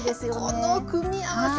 この組み合わせ。